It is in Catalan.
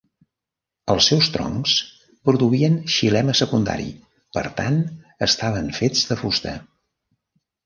Els seus troncs produïen xilema secundari, per tant estaven fets de fusta.